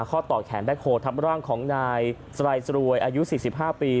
ข้อต่อแขนแบ็คโฮลทับร่างของนายสไลสรวยอายุ๔๕ปี